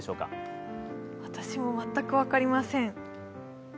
私も全く分かりません。